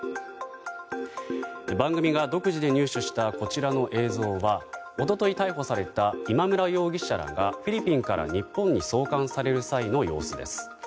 番組が独自に入手したこちらの映像は一昨日逮捕された今村容疑者らがフィリピンから日本に送還される際の様子です。